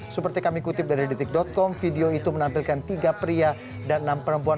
seperti kami kutip dari detik com video itu menampilkan tiga pria dan enam perempuan